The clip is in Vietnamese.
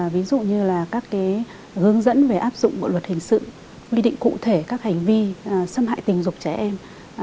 ví dụ như là các hướng dẫn về áp dụng bộ luật hình sự quy định cụ thể các hành vi xâm hại tình dục trẻ em